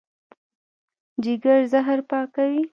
جګر زهر پاکوي.